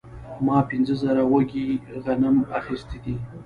ما پنځه زره وږي غنم اخیستي دي